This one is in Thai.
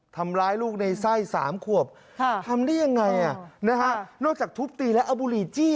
ทำร้ายลูกในไส้๓ขวบทำได้ยังไงนอกจากทุบตีแล้วเอาบุหรี่จี้